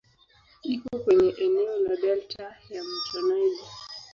Iko kwenye eneo la delta ya "mto Niger".